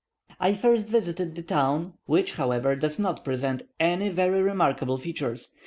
I first visited the town, which, however, does not present any very remarkable features.